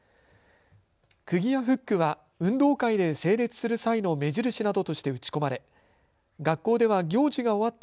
くぎやフックは運動会で整列する際の目印などとして打ち込まれ学校では行事が終わった